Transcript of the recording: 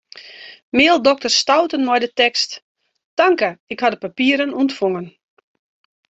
Mail dokter Stouten mei de tekst: Tanke, ik ha de papieren ûntfongen.